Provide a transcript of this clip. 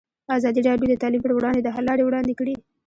ازادي راډیو د تعلیم پر وړاندې د حل لارې وړاندې کړي.